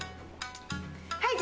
はい。